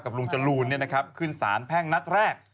กับลุงจรูลเนี่ยนะครับขึ้นสารแพ่งนัดแรก